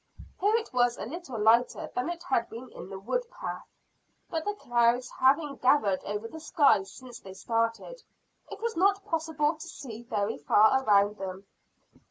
Here it was a little lighter than it had been in the wood path; but, the clouds having gathered over the sky since they started, it was not possible to see very far around them.